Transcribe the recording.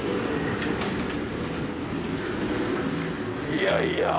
いやいや。